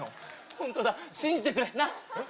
ホントだ信じてくれなっ？